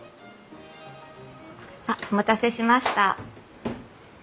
あっお待たせしました。